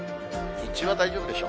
日中は大丈夫でしょう。